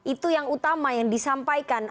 itu yang utama yang disampaikan